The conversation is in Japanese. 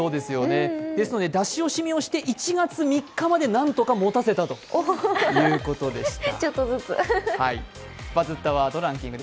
ですので、出し惜しみをして１月３日まで何とかもたせたということでした。